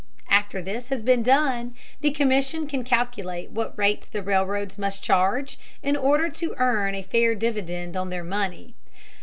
After this has been done, the Commission can calculate what rates the railroads must charge in order to earn a fair dividend on their money.